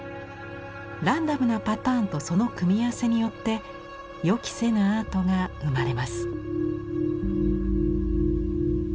ランダムなパターンとその組み合わせによって予期せぬアートが生まれます。